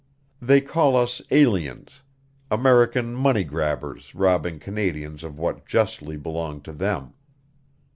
They called us 'aliens' American 'money grabbers' robbing Canadians of what justly belonged to them.